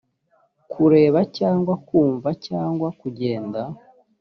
kureba cyangwa kumva cyangwa kugenda